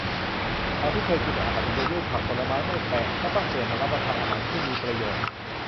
จากที่เคยกินแต่อาหารสำเร็จรูป ผักผลไม้ไม่แตะ ก็ต้องเปลี่ยนมารับประทานอาหารที่มีประโยชน์